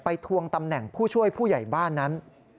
ทวงตำแหน่งผู้ช่วยผู้ใหญ่บ้านนั้น